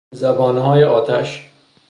زبانههای آتش